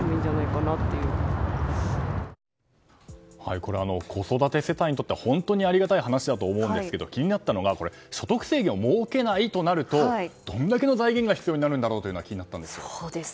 これ、子育て世帯にとっては本当にありがたい話だと思うんですけど気になったのは所得制限を設けないとなるとどれだけの財源が必要になるのか気になったんですけども。